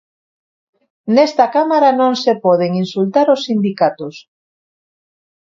Nesta Cámara non se poden insultar os sindicatos.